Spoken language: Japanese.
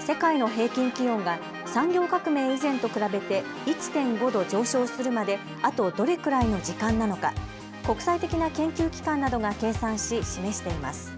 世界の平均気温が産業革命以前と比べて１．５度上昇するまであとどれくらいの時間なのか、国際的な研究機関などが計算し示しています。